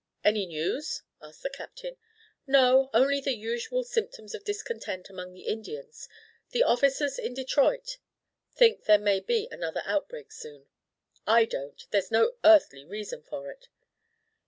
"Any news?" asked the Captain. "No, only the usual symptoms of discontent among the Indians. The officers in Detroit think there may be another outbreak soon." "I don't there's no earthly reason for it."